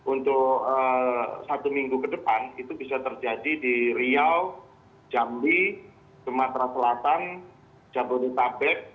untuk satu minggu ke depan itu bisa terjadi di riau jambi sumatera selatan jabodetabek